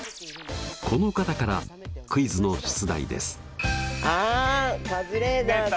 この方からクイズの出題です。